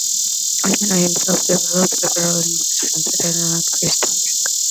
Altamiro himself develops several inventions that are certainly not prehistoric.